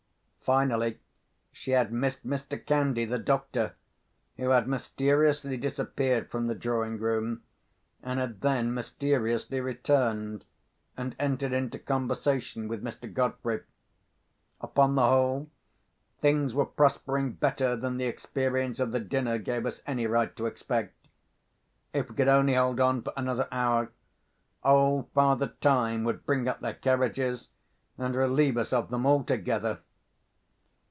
Finally, she had missed Mr. Candy, the doctor, who had mysteriously disappeared from the drawing room, and had then mysteriously returned, and entered into conversation with Mr. Godfrey. Upon the whole, things were prospering better than the experience of the dinner gave us any right to expect. If we could only hold on for another hour, old Father Time would bring up their carriages, and relieve us of them altogether.